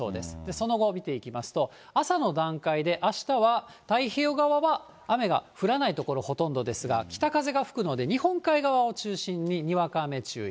その後を見ていきますと、朝の段階で、あしたは太平洋側は雨が降らない所ほとんどですが、北風が吹くので、日本海側を中心ににわか雨注意。